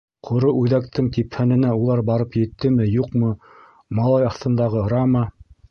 Ҡоро Үҙәктең типһәненә улар барып еттеме, юҡмы, малай аҫтындағы Рама...